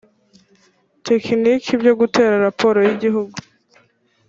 tekiniki byo gutegura raporo y igihugu